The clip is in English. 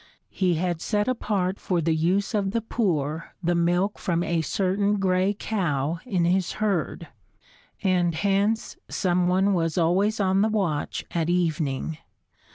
He had set apart for the use of the poor the milk from a certain gray cow in his herd, and hence some one was always on the watch at evening.